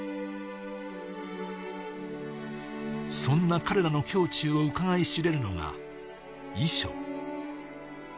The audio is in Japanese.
そんな彼らの胸中をうかがい知れるのが遺書。